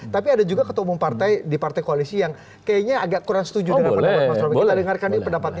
tapi ada juga ketua umum partai di partai koalisi yang kayaknya agak kurang setuju dengan pendapat pak sbi